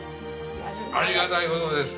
ありがたい事です。